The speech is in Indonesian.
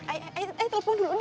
ayah ayah ayah telepon dulu dia